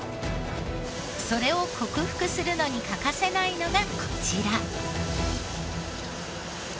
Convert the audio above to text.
それを克服するのに欠かせないのがこちら。